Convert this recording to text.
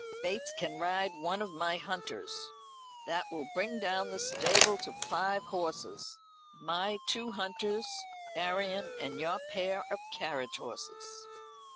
Bates can ride one of my hunters. That will bring down the stable to five horses my two hunters, Arion, and your pair of carriage horses."